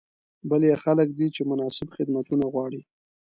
بل یې خلک دي چې مناسب خدمتونه غواړي.